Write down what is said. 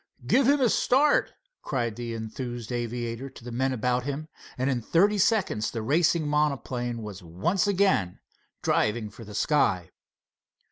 "Give him a start," cried the enthused aviator to the men about him; and in thirty seconds the racing monoplane was once again driving for the sky.